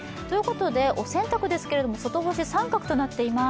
お洗濯ですけれども、外干し、△となっています。